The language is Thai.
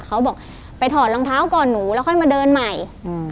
เขาบอกไปถอดรองเท้าก่อนหนูแล้วค่อยมาเดินใหม่อืม